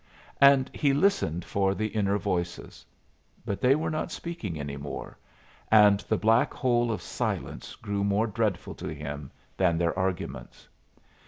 And he listened for the inner voices. But they were not speaking any more, and the black hole of silence grew more dreadful to him than their arguments.